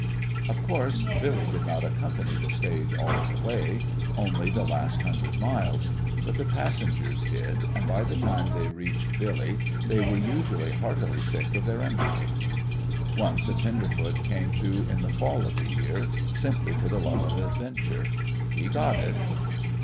Of course, Billy did not accompany the stage all of the way; only the last hundred miles; but the passengers did, and by the time they reached Billy they were usually heartily sick of their undertaking. Once a tenderfoot came through in the fall of the year, simply for the love of adventure. He got it.